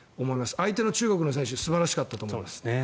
相手の中国の選手素晴らしかったと思います。